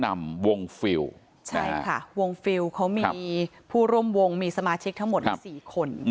มีผู้ร่วมวงมีสมาชิกทั้งหมด๔คน